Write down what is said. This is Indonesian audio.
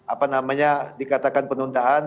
apa namanya dikatakan penundaan